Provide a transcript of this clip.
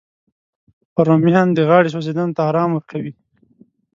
رومیان د غاړې سوځېدو ته ارام ورکوي